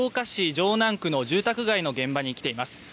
じょうなん区の住宅街の現場に来ています。